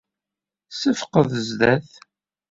Ssefqed zdat.